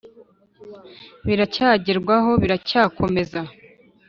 biracyagerwaho, biracyakomeza,